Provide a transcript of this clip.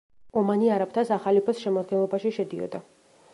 ომანი არაბთა სახალიფოს შემადგენლობაში შედიოდა.